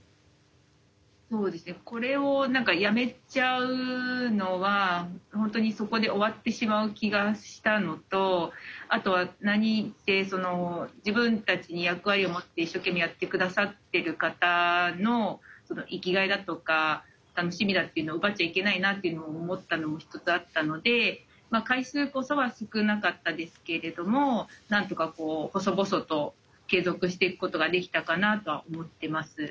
そうですねこれをやめちゃうのは本当にそこで終わってしまう気がしたのとあとは何ってその自分たちに役割を持って一生懸命やって下さってる方の生きがいだとか楽しみだっていうのを奪っちゃいけないなっていうのを思ったのも一つあったので回数こそは少なかったですけれどもなんとかこう細々と継続していくことができたかなとは思ってます。